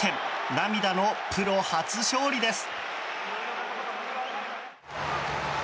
涙のプロ初勝利です。